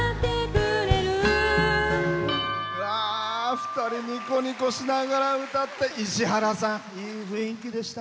２人、ニコニコしながら歌って石原さん、いい雰囲気でした。